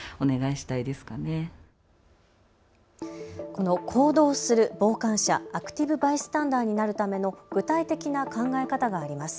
この行動する傍観者・アクティブバイスタンダーになるための具体的な考え方があります。